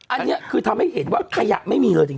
อันนี้คือทำให้เห็นว่าขยะไม่มีเลยจริง